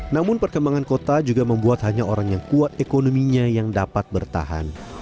namun perkembangan kota juga membuat hanya orang yang kuat ekonominya yang dapat bertahan